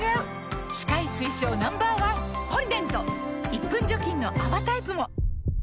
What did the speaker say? １分除菌の泡タイプも！